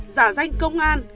giả danh công an